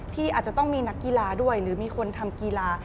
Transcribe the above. ที่อาจจะต้องมีนักกีฬาด้วยหรือมีคนทำกีฬา